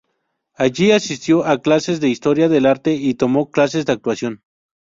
Allí asistió a clases de historia del arte y tomó clases de actuación.